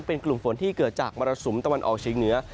เป็นกลุ่มฝนที่เกิดจากมรสุมตะวันออกเชียงเหนือ